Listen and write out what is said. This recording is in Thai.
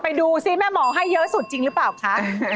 ดูสิแม่หมอให้เยอะสุดจริงหรือเปล่าคะ